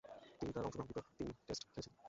তিনি তার অংশগ্রহণকৃত তিন টেস্ট খেলেছিলেন।